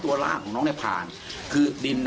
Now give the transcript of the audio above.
หมาก็เห่าตลอดคืนเลยเหมือนมีผีจริง